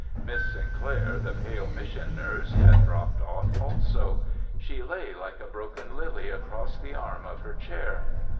Miss Sinclair, the pale mission nurse, had dropped off also. She lay like a broken lily across the arm of her chair. Mr.